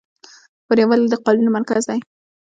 فاریاب ولې د قالینو مرکز دی؟